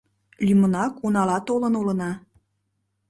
Лӱмынак унала толын улына.